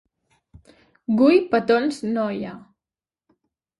Guy petons noia